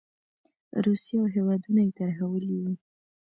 روسیه او هېوادونه یې ترهولي وو.